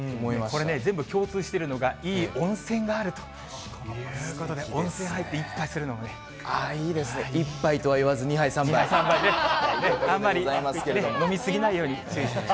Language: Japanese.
これね、全部共通しているのが、いい温泉があるということで、いいですね、１杯とはいわず２杯、あんまり飲み過ぎないように注意して。